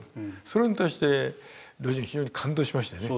それに対して魯迅は非常に感動しましてね。